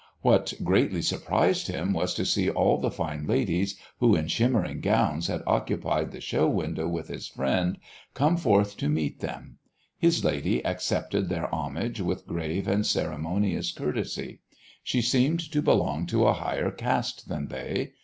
What greatly surprised him was to see all the fine ladies who in shimmering gowns had occupied the show window with his friend come forth to meet them. His lady accepted their homage with grave and ceremonious courtesy. She seemed to belong to a higher caste than they.